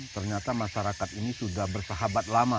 ternyata masyarakat ini sudah bersahabat lama